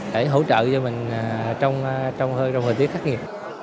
để hỗ trợ cho mình trong hơi trong thời tiết khắc nghiệt